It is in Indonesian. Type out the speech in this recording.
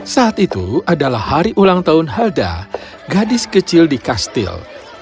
saat itu adalah hari ulang tahun helda gadis kecil di kastil